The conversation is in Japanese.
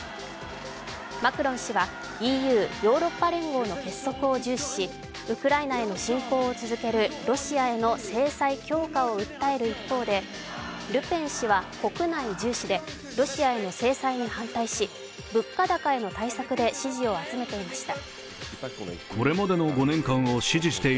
マクロン氏はＥＵ＝ヨーロッパ連合の結束を重視しウクライナへの侵攻を続けるロシアへの制裁強化を訴える一方でルペン氏は国内重視で、ロシアへの制裁に反対し、物価高への対策で支持を集めていました。